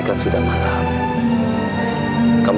bisa dia lihat